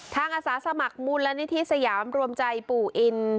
อาสาสมัครมูลนิธิสยามรวมใจปู่อิน